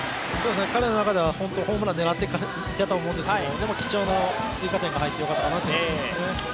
彼の中では本当にホームランを狙っていたとは思うんですが、でも貴重な追加点が入ってよかったなという感じですね。